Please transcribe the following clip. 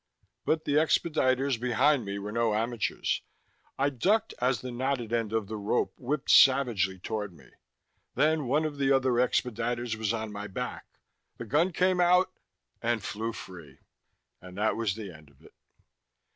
But the expediters behind me were no amateurs. I ducked as the knotted end of the rope whipped savagely toward me. Then one of the other expediters was on my back; the gun came out, and flew free. And that was the end of that.